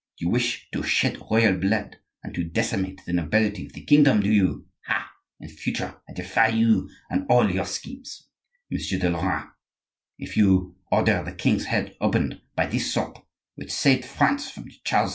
You wish to shed royal blood and to decimate the nobility of the kingdom, do you? Ha! in future, I defy you, and all your schemes, Messieurs de Lorraine. If you order the king's head opened, by this sword which saved France from Charles V.